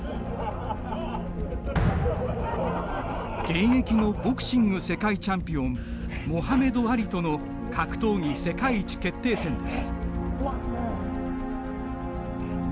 現役のボクシング世界チャンピオンモハメド・アリとの格闘技世界一決定戦です。